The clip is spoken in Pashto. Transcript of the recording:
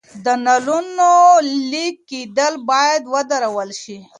د نلونو لیک کیدل باید ودرول شي.